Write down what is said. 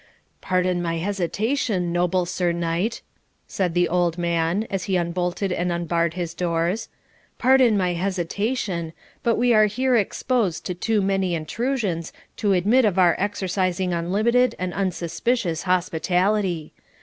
'Pardon my hesitation, noble Sir Knight,' said the old man, as he unbolted and unbarred his doors 'Pardon my hesitation, but we are here exposed to too many intrusions to admit of our exercising unlimited and unsuspicious hospitality.